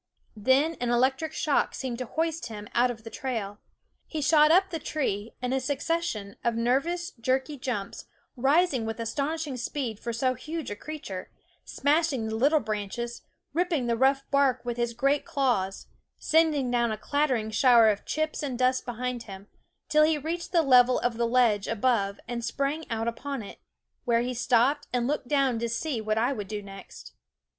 Then an electric shock seemed to hoist him out of the trail. He shot up the tree in a succession of nervous, jerky jumps, rising with astonishing speed for so huge a creature, smashing the little branches, ripping the rough bark with his great claws, sending down a clattering shower of chips and dust behind him, till he reached the level of the ledge above and sprang out upon it ; where he stopped and looked down to see what I would do next.